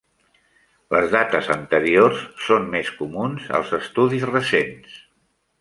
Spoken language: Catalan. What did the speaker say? Les dates anteriors són més comuns als estudis recents.